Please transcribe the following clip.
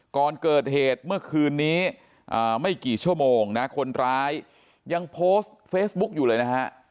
ก่อนเกิดเหตุเมื่อคืนนี้ไม่กี่ชั่วโมงนะคนร้ายยังโพสต์เฟซบุ๊กอยู่เลยนะฮะ